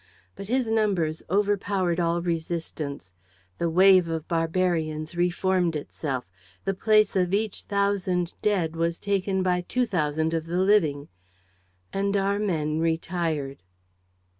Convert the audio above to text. But his numbers overpowered all resistance. The wave of barbarians reformed itself. The place of each thousand dead was taken by two thousand of the living. And our men retired.